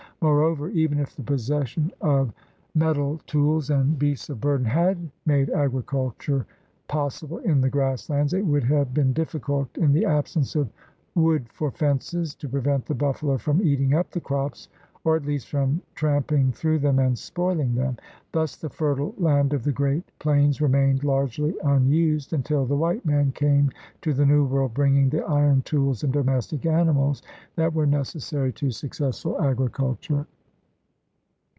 Moreover, even if the possession of THE RED MAN IN AMERICA 153 metal tools and beasts of burden had made agri culture possible in the grass lands, it would have been difficult, in the absence of wood for fences, to prevent the buffalo from eating up the crops or at least from tramping through them and spoiling them. Thus the fertile land of the great plains remained largely unused until the white man came to the New World bringing the iron tools and domestic animals that were necessary to successful agriculture.